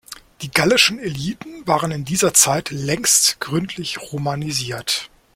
Die gallischen Eliten waren in dieser Zeit längst gründlich romanisiert.